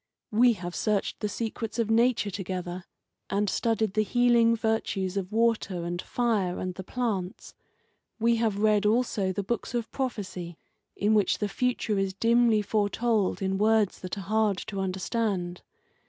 We have searched the secrets of Nature together, and studied the healing virtues of water and fire and the plants. We have read also the books of prophecy in which the future is dimly foretold in words that are hard to understand.